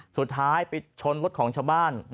สุดท้ายไปชนรถของชาวบ้าน